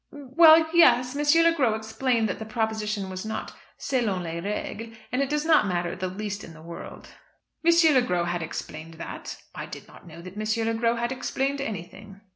"Well, yes; M. Le Gros explained that the proposition was not selon les règles, and it does not matter the least in the world." "M. Le Gros has explained that? I did not know that M. Le Gros had explained anything."